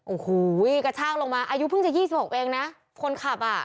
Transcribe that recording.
โอ้โหกระชากลงมาอายุเพิ่งจะยี่สิบหกเองนะคนขับอ่ะ